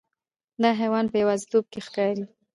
دا حیوان په یوازیتوب کې ښکار کوي.